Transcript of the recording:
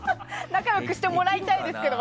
仲良くしてもらいたいですけど。